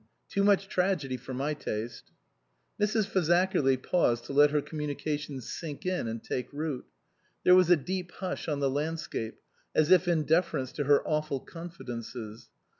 Too much tragedy for my taste." Mrs. Fazakerly paused to let her communica tions sink in and take root. There was a deep hush on the landscape, as if in deference to her awful confidences.